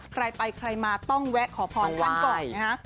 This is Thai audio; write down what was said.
ใครไปใครมาต้องแวะขอพรขั้นก่อน